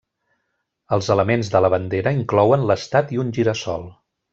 Els elements de la bandera inclouen l'estat i un gira-sol.